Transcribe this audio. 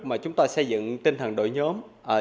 mà chúng ta xây dựng tinh thần đội nhóm